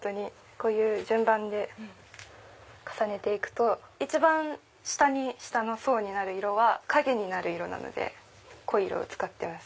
こういう順番で重ねて行くと一番下の層になる色は影になる色なので濃い色を使ってます。